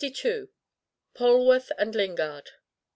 POLWARTH AND LINGARD.